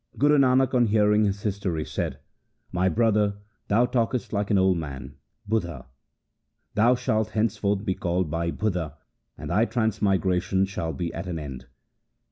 Guru Nanak on hearing his history said, ' My brother, thou talkest like an old man (budha). Thou shalt henceforth be called Bhai Budha, and thy transmigration shall be at an end.'